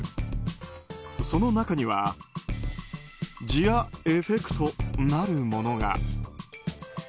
その中にはジアエフェクトなるものが。